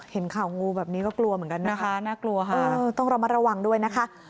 เห็นข่าวงูแบบนี้ก็กลัวเหมือนกันนะคะน่ากลัวค่ะต้องระมัดระวังด้วยนะคะ